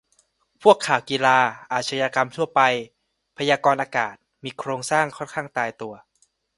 พวกข่าวกีฬา อาชญากรรมทั่วไป พยากรณ์อากาศ มีโครงสร้างค่อนข้างตายตัว